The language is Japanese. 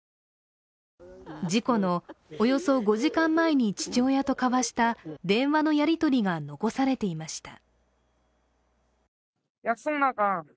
事故のおよそ５時間前に父親と交わした電話のやりとりが残されていました。